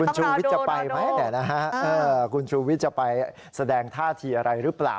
ชูวิทย์จะไปไหมคุณชูวิทย์จะไปแสดงท่าทีอะไรหรือเปล่า